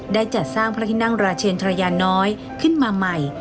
จัดสร้างพระที่นั่งราชเชนทรยาน้อยขึ้นมาใหม่